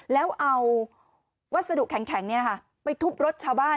แล้วเอาวัสดุแข็งไปทุบรถชาวบ้าน